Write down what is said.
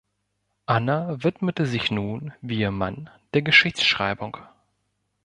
Anna widmete sich nun, wie ihr Mann, der Geschichtsschreibung.